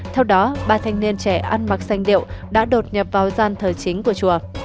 theo đó ba thanh niên trẻ ăn mặc xanh điệu đã đột nhập vào gian thờ chính của chùa